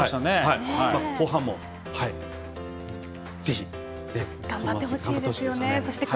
後半もぜひ頑張ってほしいですよね。